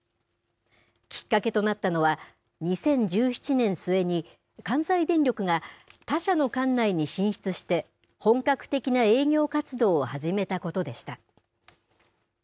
きっかけとなったのは２０１７年末に関西電力が他社の管内に進出して本格的な営業活動を始めたことでした。